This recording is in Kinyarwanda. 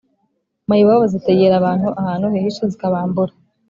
Mayibobo zitegera abantu ahantu hihishe zikabambura